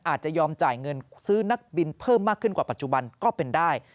อาจจะยอมจ่ายเงินซื้อนักบินเพิ่มมากขึ้นกว่าปัจจุบันก็เป็นได้